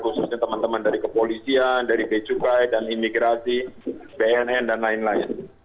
khususnya teman teman dari kepolisian dari becukai dan imigrasi bnn dan lain lain